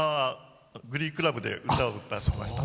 グリークラブで歌を歌ってました。